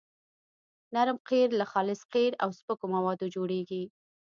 نرم قیر له خالص قیر او سپکو موادو جوړیږي